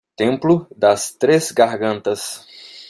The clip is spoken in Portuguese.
Templo das Três Gargantas